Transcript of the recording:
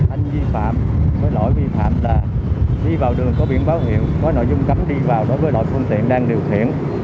anh vi phạm với lỗi vi phạm là đi vào đường có biển báo hiệu có nội dung cấm đi vào đối với đội phương tiện đang điều khiển